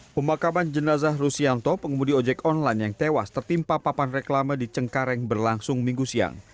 pemakaman jenazah rusianto pengemudi ojek online yang tewas tertimpa papan reklama di cengkareng berlangsung minggu siang